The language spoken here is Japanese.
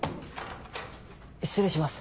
失礼します。